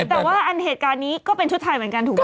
แต่ว่าอันเหตุการณ์นี้ก็เป็นชุดไทยเหมือนกันถูกไหม